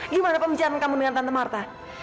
gimana pembicaraan kamu dengan tante marta